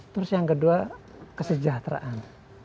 terus yang kedua kesejahteraan